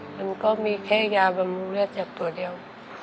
มันก็มีแค่ยาบำรุงเลือดจากตัวเดียว